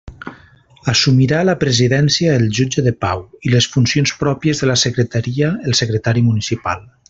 Assumirà la presidència el jutge de pau, i les funcions pròpies de la secretaria, el secretari municipal.